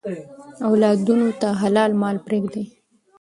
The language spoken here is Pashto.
اولادونو ته حلال مال پریږدئ.